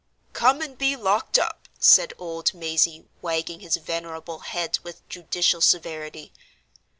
"Come and be locked up!" said old Mazey, wagging his venerable head with judicial severity.